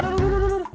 aduh aduh aduh